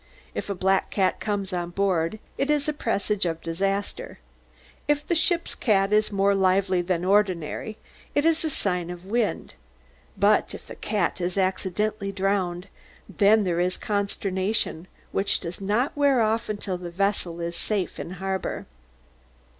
If a black cat comes on board, it is a presage of disaster; if the ship's cat is more lively than ordinary, it is a sign of wind; but if the cat is accidentally drowned, then there is consternation, which does not wear off until the vessel is safe in harbour.